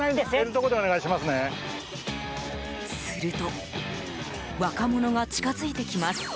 すると若者が近づいてきます。